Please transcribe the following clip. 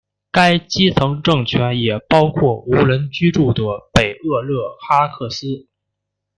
该基层政权也包括无人居住的北厄勒哈克斯。